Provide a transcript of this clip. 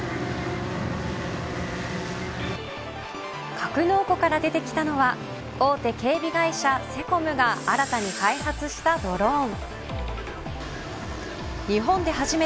格納庫から出てきたのは大手警備会社セコムが新たに開発したドローン。